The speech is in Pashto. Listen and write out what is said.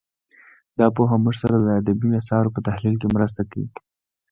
دا پوهه موږ سره د ادبي اثارو په تحلیل کې مرسته کوي